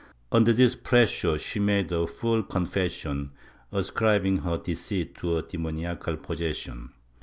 Under this pressure she made a full confession, ascribing her deceits to demoniacal possession.